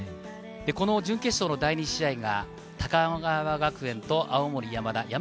この準決勝の第２試合が高川学園と青森山田。